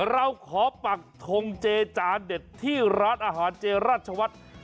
เราขอปักทงเจจานเด็ดที่ร้านอาหารเจรัชวัฒน์